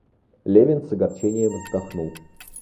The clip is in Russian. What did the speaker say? Левин с огорчением вздохнул.